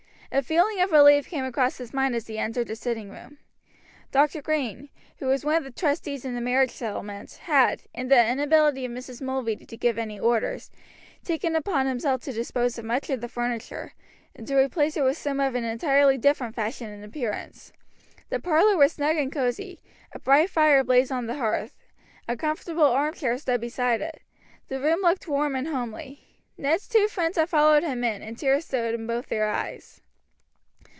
A feeling of relief came across his mind as he entered the sitting room. Dr. Green, who was one of the trustees in the marriage settlement, had, in the inability of Mrs. Mulready to give any orders, taken upon himself to dispose of much of the furniture, and to replace it with some of an entirely different fashion and appearance. The parlor was snug and cosy; a bright fire blazed on the hearth; a comfortable armchair stood beside it; the room looked warm and homely. Ned's two friends had followed him in, and tears stood in both their eyes.